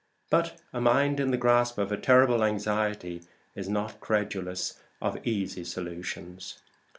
But a mind in the grasp of a terrible anxiety is not credulous of easy solutions.